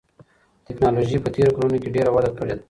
تکنالوژي په تېرو کلونو کې ډېره وده کړې ده.